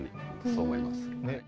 そう思います。